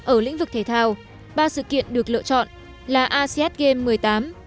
ở lĩnh vực thể thao ba sự kiện được lựa chọn là asean game một mươi tám